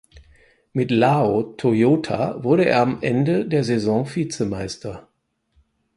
Mit Lao Toyota wurde er am Ende der Saison Vizemeister.